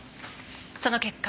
その結果。